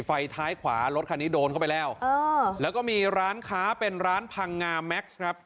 ไฟท้ายขวารถคันนี้โดนเข้าไปแล้วแล้วก็มีร้านค้าเป็นร้านพังงาแม็กซ์ครับ